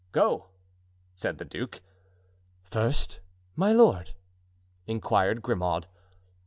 "Go!" said the duke. "First, my lord?" inquired Grimaud.